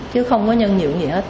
chứ không có nhân dự gì hết